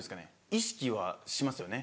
意識はしますよね